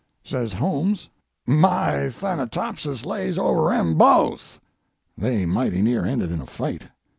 Says Holmes, 'My "Thanatopsis" lays over 'em both.' They mighty near ended in a fight.